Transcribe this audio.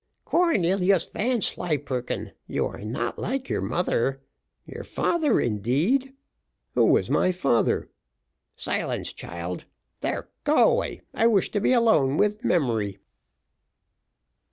Cornelius Vanslyperken, you are not like your mother: your father, indeed" "Who was my father?" "Silence, child, there, go away I wish to be alone with memory."